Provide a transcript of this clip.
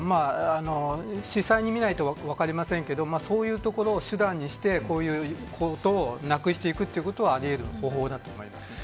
実際に見ないと分かりませんがそういうところを手段にしてこういうことをなくしていくということはあり得る方法だと思います。